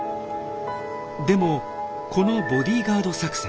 でもこのボディーガード作戦。